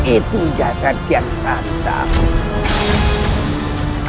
itu jasad yang santam